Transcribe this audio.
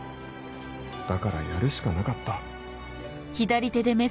だからやるしかなかった。